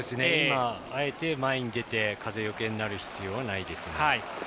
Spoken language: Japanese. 今、あえて前に出て風よけになる必要はないです。